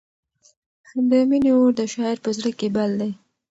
د مینې اور د شاعر په زړه کې بل دی.